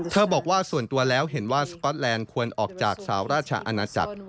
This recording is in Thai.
บอกว่าส่วนตัวแล้วเห็นว่าสก๊อตแลนด์ควรออกจากสาวราชอาณาจักร